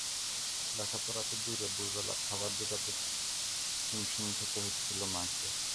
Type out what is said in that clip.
লেখাপড়া তো দূরে দুই বেলা খাবার জোটাতে িহমশিম খেতে হচ্ছিল মাকে।